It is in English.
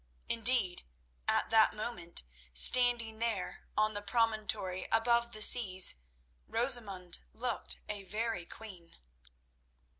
Indeed, at that moment, standing there on the promontory above the seas, Rosamund looked a very queen.